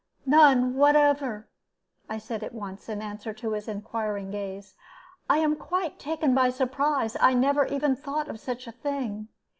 "None whatever," I said at once, in answer to his inquiring gaze. "I am quite taken by surprise; I never even thought of such a thing.